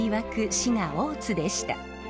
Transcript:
滋賀大津でした。